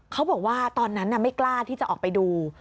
เขาบอกว่าตอนนั้นไม่กล้าที่จะออกไปดู